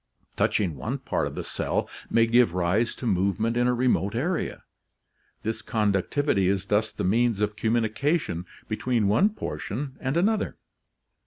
Touching one part of the cell may give rise to movement in a remote area. This conductivity is thus the means of commu nication between one portion and another.